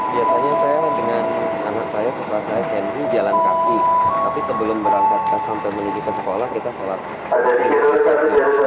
biasanya saya dengan anak saya ke kelas fnz jalan kaki tapi sebelum berangkat ke santun menuju ke sekolah kita selalu pergi ke stasiun